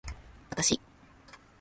わたし